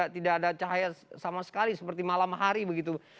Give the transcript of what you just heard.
tidak ada cahaya sama sekali seperti malam hari begitu